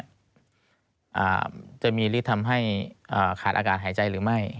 อาจจะมีฤทธิ์ทำให้ขาดอากาศหายใจหรือไม่